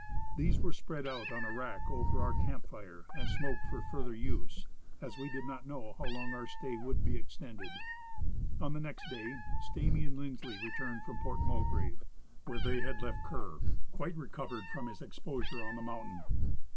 These were spread out on a rack over our camp fire and smoked for further use, as we did not know how long our stay would be extended. On the next clay Stamy and Lindsley returned from Port Mulgrave, where they * Return to Civilization.. 163 had left Kerr, quite recovered from his exposure on the moun tain.